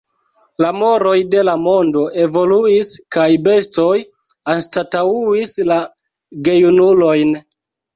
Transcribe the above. La moroj de la mondo evoluis, kaj bestoj anstataŭis la gejunulojn.